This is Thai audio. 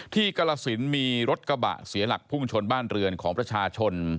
กรสินมีรถกระบะเสียหลักพุ่งชนบ้านเรือนของประชาชน